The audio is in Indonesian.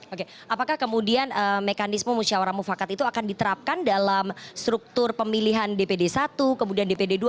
oke apakah kemudian mekanisme musyawarah mufakat itu akan diterapkan dalam struktur pemilihan dpd satu kemudian dpd dua